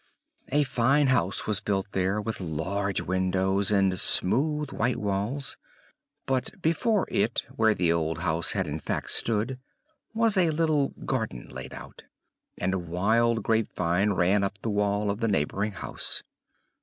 A fine house was built there, with large windows, and smooth white walls; but before it, where the old house had in fact stood, was a little garden laid out, and a wild grapevine ran up the wall of the neighboring house.